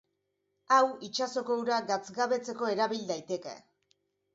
Hau itsasoko ura gatzgabetzeko erabil daiteke.